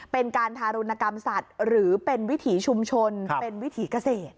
เป็นการทารุณกรรมสัตว์หรือเป็นวิถีชุมชนเป็นวิถีเกษตร